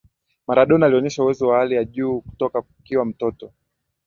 Maradona alionesha uwezo wa hali ya juu kutoka akiwa mtoto